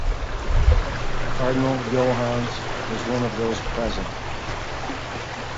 Cardinal Joannes was one of those present.